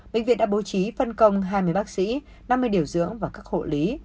bệnh viện đã bố trí phân công hai mươi bác sĩ năm mươi điều dưỡng và các hộ lý